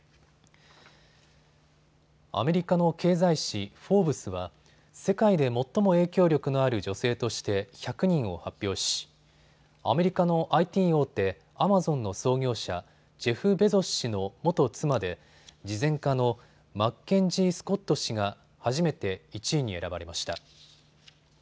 アメリカの経済誌、フォーブスは世界で最も影響力のある女性として１００人を発表しアメリカのＩＴ大手、アマゾンの創業者、ジェフ・ベゾス氏の元妻で慈善家のマッケンジー・スコット氏が初めて１位に選ばれました。